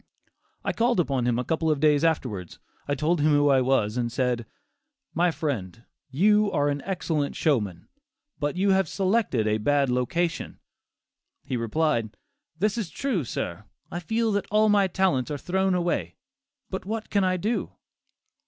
I called upon him a couple of days afterwards; told him who I was, and said: "My friend, you are an excellent showman, but you have selected a bad location." He replied, "This is true, sir; I feel that all my talents are thrown away; but what can I do?"